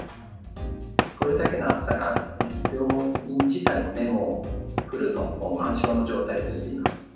これだけの暑さがあるとね、病院自体もね、もうフルの、満床の状態です、今。